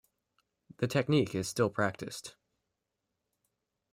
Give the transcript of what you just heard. The technique is still practised.